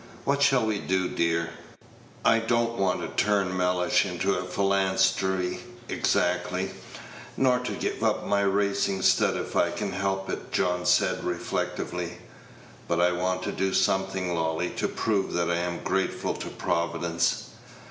What shall we do, dear? I don't want to turn Mellish into a Philanstery exactly, nor to give up my racing stud if I can help it," John said, reflectively; "but I want to do something, Lolly, to prove that I am grateful to Providence.